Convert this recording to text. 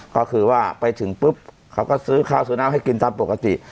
ก็คือว่าไปถึงปุ๊บเขาก็ซื้อข้าวสุนัขให้กินตามปกติ